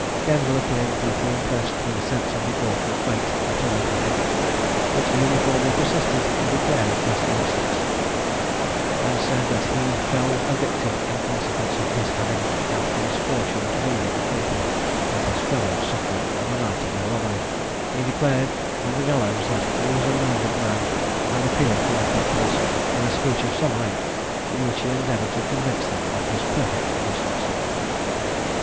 Kendall appeared deeply impressed with a sense of the awful fate that awaited him; but uniformly persisted in declaring his innocence, and said that he fell a victim in consequence of his having had the misfortune to be in company with his fellow sufferer on the night of the robbery. He declared, on the gallows, that he was a murdered man, and appealed to the populace, in a speech of some length, in which he endeavoured to convince them of his perfect innocence.